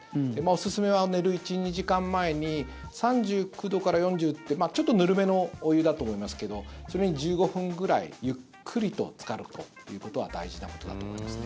おすすめは、寝る１２時間前に３９度から４０度ちょっとぬるめのお湯だと思いますけどそれに１５分ぐらいゆっくりとつかるということは大事なことだと思います。